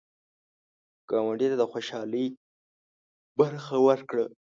ګاونډي ته د خوشحالۍ برخه ورکړه